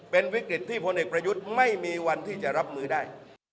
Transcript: เป็นวิกฤตที่พลเอกประยุทธ์ไม่มีวันที่จะรับมือได้